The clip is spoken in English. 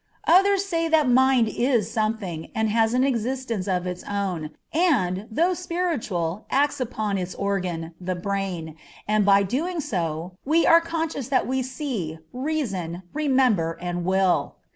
Others say that mind is something, and has an existence of its own, and, though spiritual, acts upon its organ, the brain, and by so doing, we are conscious that we see, reason, remember, and will.